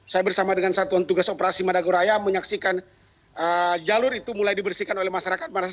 saya bersama dengan satuan tugas operasi madagoraya menyaksikan jalur itu mulai dibersihkan oleh masyarakat